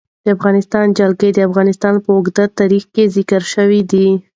د افغانستان جلکو د افغانستان په اوږده تاریخ کې ذکر شوی دی.